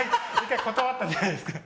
１回断ったじゃないですか。